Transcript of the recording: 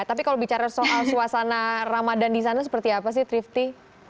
tapi kalau bicara soal suasana ramadan di sana seperti apa sih trifty